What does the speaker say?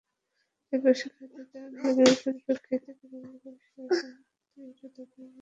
এরপরও শিক্ষার্থীদের আন্দোলনের পরিপ্রেক্ষিতে বেগম রোকেয়া বিশ্ববিদ্যালয়ের সামনে গতিরোধক নির্মাণ করা হয়েছে।